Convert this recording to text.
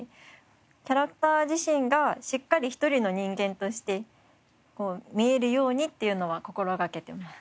キャラクター自身がしっかり一人の人間として見えるようにっていうのは心掛けてます。